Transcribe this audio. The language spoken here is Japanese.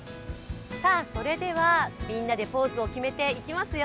それではみんなでポーズを決めていきますよ